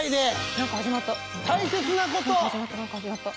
何か始まった何か始まった。